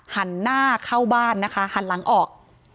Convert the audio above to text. หันหน้าเข้าบ้านนะคะหันหลังออก